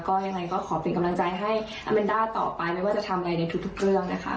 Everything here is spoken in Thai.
ก็ยังไงก็ขอเป็นกำลังใจให้อาเมนด้าต่อไปไม่ว่าจะทำอะไรในทุกเรื่องนะคะ